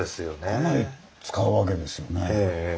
かなり使うわけですよね。